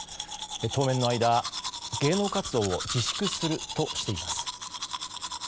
当面の間、芸能活動を自粛するとしています。